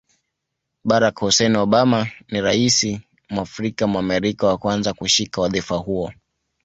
Barack Hussein Obama ni Raisi MwafrikaMwamerika wa kwanza kushika wadhifa huo